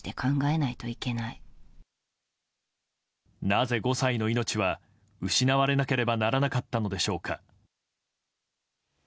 なぜ５歳の命は失われなければならなかったのでしょうか。